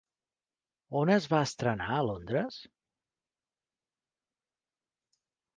On es va estrenar a Londres?